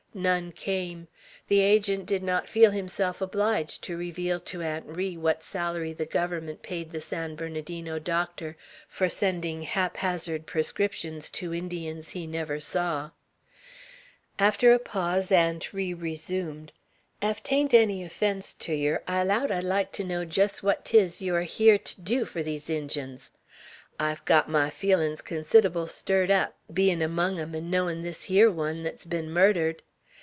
None came. The Agent did not feel himself obliged to reveal to Aunt Ri what salary the Government paid the San Bernardino doctor for sending haphazard prescriptions to Indians he never saw. After a pause Aunt Ri resumed: "Ef it ain't enny offence ter yeow, I allow I'd like ter know jest what 'tis yeow air here ter dew fur these Injuns. I've got my feelin's considdable stirred up, bein' among 'em 'n' knowing this hyar one, thet's ben murdered.